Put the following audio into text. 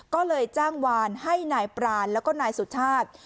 ก็เลยจ้างวานให้นายปรานแล้วก็นายสุชาติ